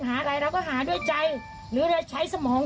ไม่ต้องเผา